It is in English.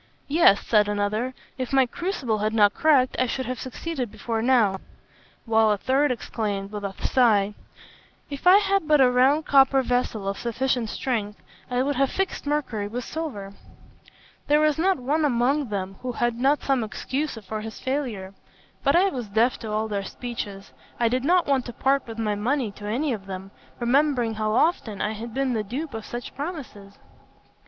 'Yes,' said another, 'if my crucible had not cracked, I should have succeeded before now;' while a third exclaimed, with a sigh, 'If I had but had a round copper vessel of sufficient strength, I would have fixed mercury with silver.' There was not one among them who had not some excuse for his failure; but I was deaf to all their speeches. I did not want to part with my money to any of them, remembering how often I had been the dupe of such promises.